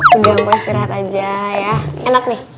sudah mpo istirahat aja ya enak nih